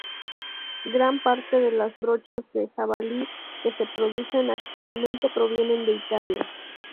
Gran parte de las brochas de jabalí que se producen actualmente provienen de Italia.